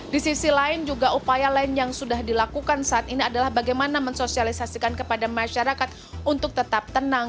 di sisi lain juga upaya lain yang sudah dilakukan saat ini adalah bagaimana mensosialisasikan kepada masyarakat untuk tetap tenang